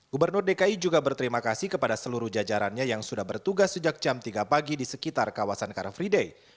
gubernur dki juga berterima kasih kepada seluruh jajarannya yang sudah bertugas sejak jam tiga pagi di sekitar kawasan car free day